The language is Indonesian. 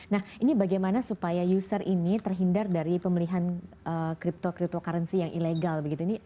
nah ini bagaimana supaya user ini terhindar dari pemilihan crypto cryptocurrency yang ilegal begitu